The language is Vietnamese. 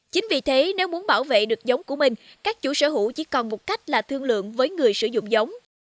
chính vì thế nếu muốn bảo vệ được giống của mình các chủ sở hữu chỉ còn một cách là thương lượng với người sử dụng giống